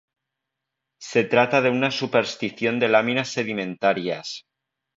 Se trata de una superposición de láminas sedimentarias.